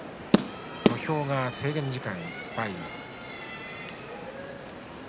土俵が制限時間いっぱいです。